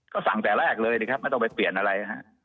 ก็สั่งแต่แรกเลยนะครับไม่ต้องไปเปลี่ยนอะไรฮะ